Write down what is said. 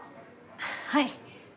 はい。